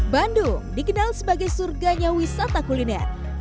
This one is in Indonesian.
bandung dikenal sebagai surganya wisata kuliner